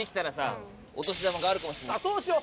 そうしよう！